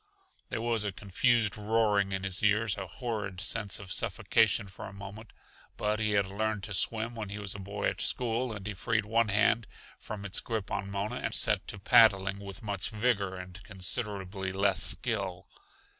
There was a confused roaring in his ears, a horrid sense of suffocation for a moment. But he had learned to swim when he was a boy at school, and he freed one hand from its grip on Mona and set to paddling with much vigor and considerably less skill.